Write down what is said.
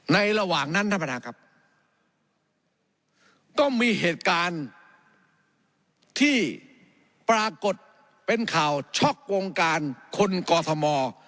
ในระหว่างนั้นนะครับก็มีเหตุการณ์ที่ปรากฏเป็นข่าวช็อกวงการคนกอธมมอธ